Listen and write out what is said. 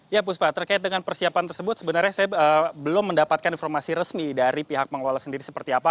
ya puspa terkait dengan persiapan tersebut sebenarnya saya belum mendapatkan informasi resmi dari pihak pengelola sendiri seperti apa